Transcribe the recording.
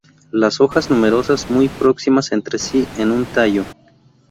Las hojas numerosas, muy próximas entre sí en un tallo.